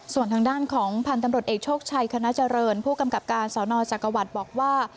ส่วนทางด้านของพันธุ์ตำรวจเอกโชคชัยคณะเจริญผู้กำกับการสนจักรวรรดิบอกว่า